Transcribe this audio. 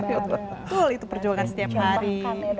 betul itu perjuangan setiap hari